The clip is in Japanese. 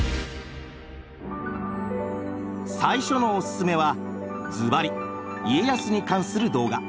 最初のおすすめはずばり家康に関する動画。